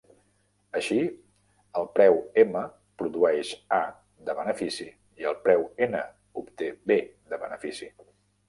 Així, el preu M produeix A de benefici i el preu N obté B de benefici.